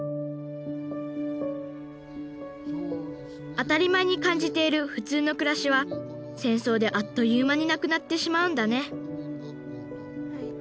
当たり前に感じている「普通の暮らし」は戦争であっという間になくなってしまうんだね